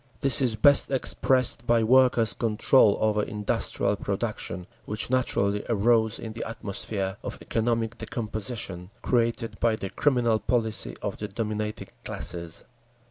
This is best expressed by Workers' Control over industrial production, which naturally arose in the atmosphere of economic decomposition created by the criminal policy of the dominating classes….